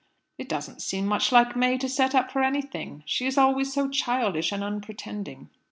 "It doesn't seem much like May to set up for anything: she is always so childish and unpretending."